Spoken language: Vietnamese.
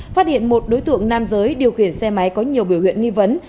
phát hiện một đối tượng nam giới điều khiển xe máy có nhiều biểu hiện nghi vấn